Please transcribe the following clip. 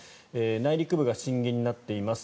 内陸部が震源になっています。